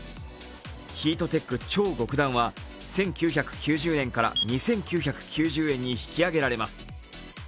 ヒートテック超極暖は１９９０円から２９９０円に引き上げられます。